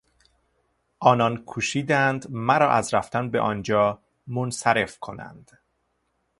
آنان کوشیدند مرا از رفتن به آنجا منصرف کنند.